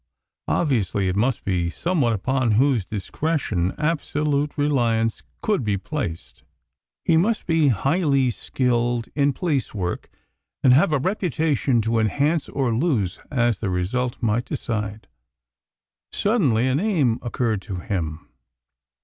Obviously it must be some one upon whose discretion absolute reliance could be placed. He must be highly skilled in police work, and have a reputation to enhance or lose as the result might decide. Suddenly a name occurred to him.